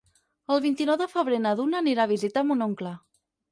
El vint-i-nou de febrer na Duna anirà a visitar mon oncle.